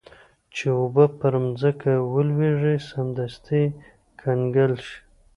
چې اوبه پر مځکه ولویږي سمدستي کنګل شي.